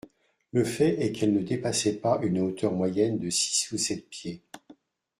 Le fait est qu'elle ne dépassait pas une hauteur moyenne de six ou sept pieds.